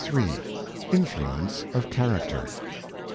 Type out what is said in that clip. INFLUENCE OF CHARACTER.